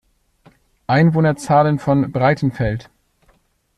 Einwohnerzahlen von "Breitenfeld".